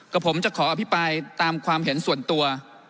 ผมจะขออภิปรายตามความเห็นส่วนตัว